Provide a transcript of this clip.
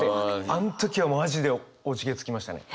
あの時はマジでおじけづきましたね。